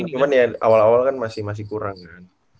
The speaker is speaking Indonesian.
cuman ya awal awal kan masih kurang kan